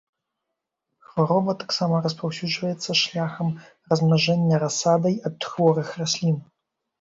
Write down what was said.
Хвароба таксама распаўсюджваецца шляхам размнажэння расадай ад хворых раслін.